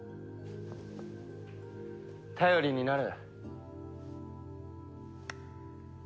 頼りになる。